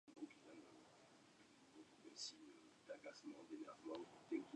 Se encuentra en Países Bajos.